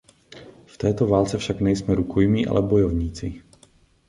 V této válce však nejsme rukojmí ale bojovníci.